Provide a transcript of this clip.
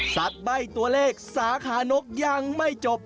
ใบ้ตัวเลขสาขานกยังไม่จบ